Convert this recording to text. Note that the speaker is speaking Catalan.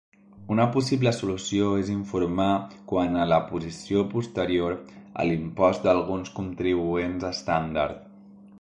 Una possible solució és informar quant a la posició posterior a l'impost d'alguns contribuents estàndard.